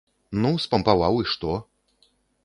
Ну, спампаваў і што?